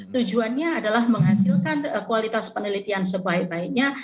tujuannya adalah menghasilkan kualitas penelitian sebaik baiknya